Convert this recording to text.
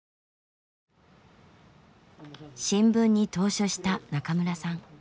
新聞に投書した中村さん。